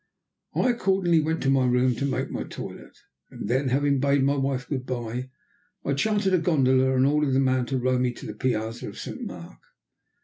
I accordingly went to my room to make my toilet. Then, having bade my wife "good bye," I chartered a gondola and ordered the man to row me to the piazza of Saint Mark.